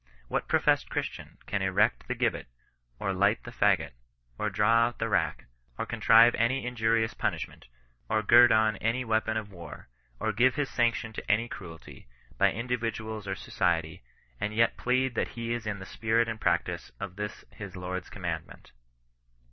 What professed Christian can erect the gibbet, or light the faggot, or draw out the rack, or contrive any inju rious punishment, or gird on any weapon of war, or give his sanction to any cruelty, by individuals or so ciety, and yet plead that he is in the spirit and practice of this his Lord's commandment